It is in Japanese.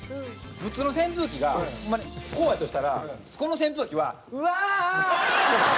普通の扇風機がホンマにこうやとしたらこの扇風機は「うわー！」。